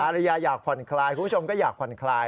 ริยาอยากผ่อนคลายคุณผู้ชมก็อยากผ่อนคลาย